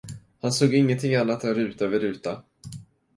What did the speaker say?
Han såg ingenting annat än ruta vid ruta.